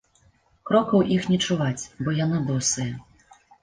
Крокаў іх не чуваць, бо яны босыя.